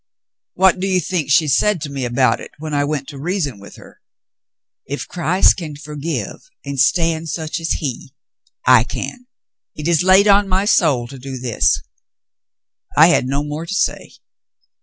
T\Tiat do you think she said to me about it when I went to reason with her ?' If Christ can forgive and stand such as he, I can. It is laid on my soul to do this.' I had no more to say."